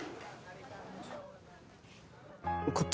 こっち